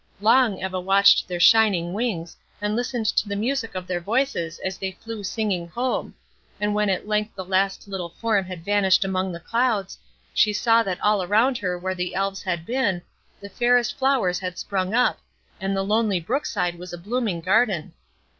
Long Eva watched their shining wings, and listened to the music of their voices as they flew singing home, and when at length the last little form had vanished among the clouds, she saw that all around her where the Elves had been, the fairest flowers had sprung up, and the lonely brook side was a blooming garden.